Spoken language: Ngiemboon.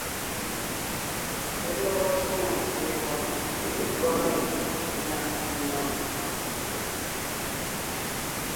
Lelɔgɔ shwòŋo ngiembɔɔn ngɔɔn nò ná menɔ̀ɔn.